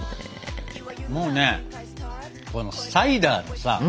もうねサイダーのさ